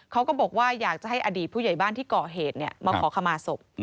เขาก็บอกว่าอยากจะให้อดีตผู้ใหญ่บ้านที่ก่อเหตุมาขอขมาศพ